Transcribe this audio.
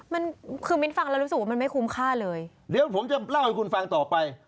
มันคือมิ้นฟังแล้วรู้สึกว่ามันไม่คุ้มค่าเลยเดี๋ยวผมจะเล่าให้คุณฟังต่อไป